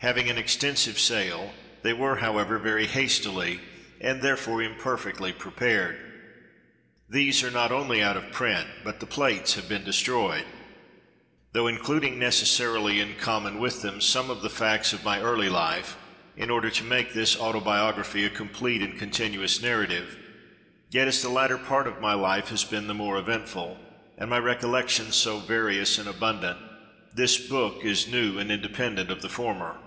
Having an extensive sale, they were, however, very hastily, and, therefore, imperfectly, prepared. These are not only out of print, but the plates have been destroyed. Though including, necessarily, in common with them, some of the facts of my early life, in order to make this autobiography a complete and continuous narrative, yet, as the latter part of my life has been the more eventful, and my recollections so various and abundant, this book is new and independent of the former.